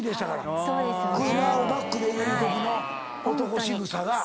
車バックで入れるときの男しぐさが。